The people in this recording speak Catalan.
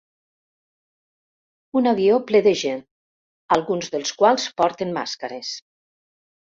Un avió ple de gent, alguns dels quals porten màscares.